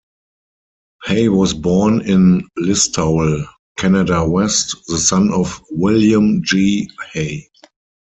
Hay was born in Listowel, Canada West, the son of William G. Hay.